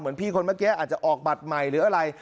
พี่คนเมื่อกี้อาจจะออกบัตรใหม่หรืออะไร